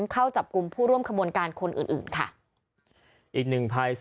เข้าจับกลุ่มผู้ร่วมขบวนการคนอื่นอื่นค่ะอีกหนึ่ง